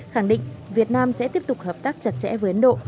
khẳng định việt nam sẽ tiếp tục hợp tác chặt chẽ với ấn độ